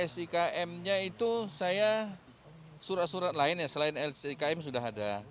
sikm nya itu saya surat surat lain ya selain sikm sudah ada